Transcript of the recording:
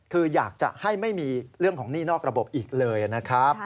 คืออยากจะให้ไม่มีเรื่องของหนี้นอกระบบอีกเลยนะครับ